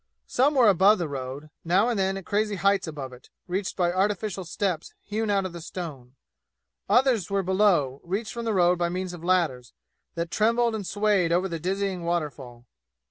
Some were above the road, now and then at crazy heights above it, reached by artificial steps hewn out of the stone. Others were below, reached from the road by means of ladders, that trembled and swayed over the dizzying waterfall.